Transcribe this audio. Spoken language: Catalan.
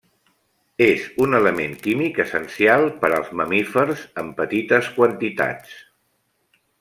És un element químic essencial per als mamífers en petites quantitats.